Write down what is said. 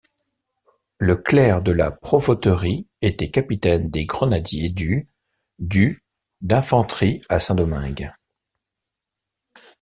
Le Clerc de la Provôterie était capitaine des grenadiers du du d'infanterie à Saint-Domingue.